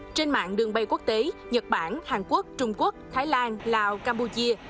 trên mạng đường bay quốc tế nhật bản hàn quốc trung quốc thái lan lào campuchia